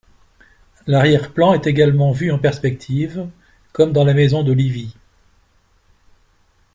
L'arrière-plan est également vue en perspective, comme dans la maison de Livie.